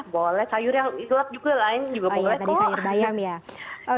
boleh sayur yang hijau gelap juga lain juga boleh kok